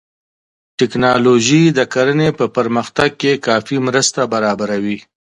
ټکنالوژي د کرنې په پرمختګ کې کافي مرسته برابروي.